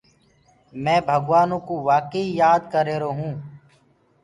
مي ڀگوآنو ڪو وآڪي ئي يآد ڪر رهيرو هونٚ۔